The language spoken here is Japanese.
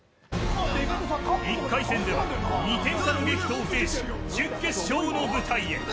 １回戦では２点差の激闘を制して準決勝の舞台へ。